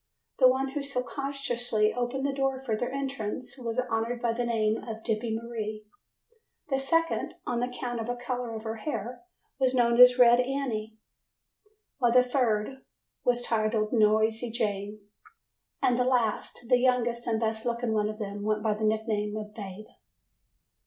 The one who so cautiously opened the door for their entrance was honored by the name of "Dippy Marie"; the second on account of the color of her hair was known as "Red Annie"; while a third was titled "Noisy Jane", and the last, the youngest and best looking one of them, went by the nickname of "Babe".